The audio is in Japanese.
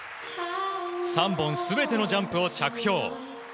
３本全てのジャンプを着氷。